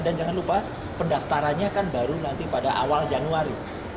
dan jangan lupa pendaftarannya kan baru nanti pada awal januari